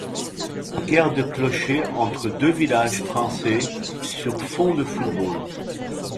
Guerre de clochers entre deux villages français sur fond de football...